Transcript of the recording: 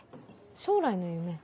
将来の夢？